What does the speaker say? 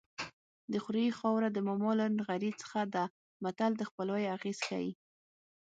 د خوریي خاوره د ماما له نغري څخه ده متل د خپلوۍ اغېز ښيي